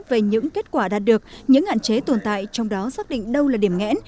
về những kết quả đạt được những hạn chế tồn tại trong đó xác định đâu là điểm nghẽn